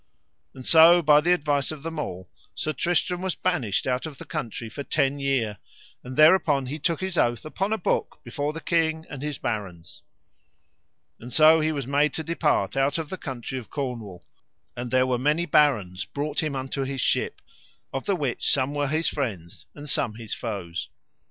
And so by the advice of them all Sir Tristram was banished out of the country for ten year, and thereupon he took his oath upon a book before the king and his barons. And so he was made to depart out of the country of Cornwall; and there were many barons brought him unto his ship, of the which some were his friends and some his foes.